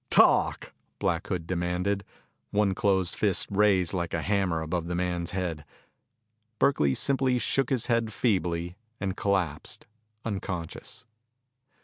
"Talk!" Black Hood demanded, one closed fist raised like a hammer above the man's head. Burkey simply shook his head feebly and collapsed, unconscious.